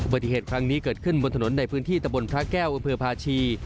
ปฏิเหตุครั้งนี้เกิดขึ้นบนถนนในพื้นที่ตะบนพระแก้วอำเภอพาชี